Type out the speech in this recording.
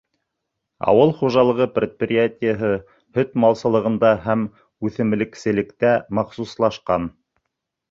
Ауыл хужалығы предприятиеһы һөт малсылығында һәм үҫемлекселектә махсуслашҡан.